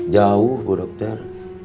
jauh bu dokter